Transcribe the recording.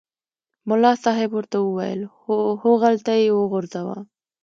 ملا صاحب ورته وویل هوغلته یې وغورځوه.